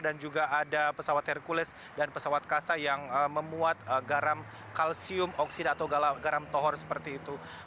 dan juga ada pesawat hercules dan pesawat kasa yang memuat garam kalsium oksida atau garam tohor seperti itu